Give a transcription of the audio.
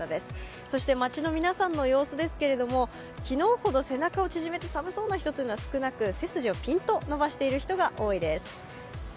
そして街の皆さんの様子ですけれども、昨日ほど背中を縮めて寒そうな人というのは少なく背筋をぴんと伸ばしている人が多いです。